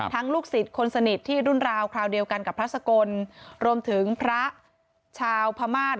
ลูกศิษย์คนสนิทที่รุ่นราวคราวเดียวกันกับพระสกลรวมถึงพระชาวพม่า